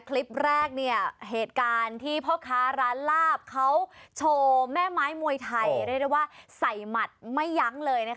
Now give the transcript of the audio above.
คลิปแรกเหตุการณ์ที่พ่อค้าร้านลาบเขาโชว์แม่ไม้มวยไทยเรียกได้ว่าใส่หมัดไม่ยั้งเลย